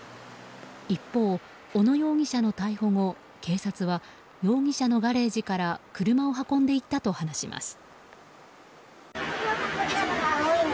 一方、小野容疑者の逮捕後警察は容疑者のガレージから車を運んでいたと話します。